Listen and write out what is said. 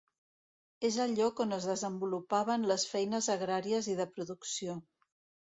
És el lloc on es desenvolupaven les feines agràries i de producció.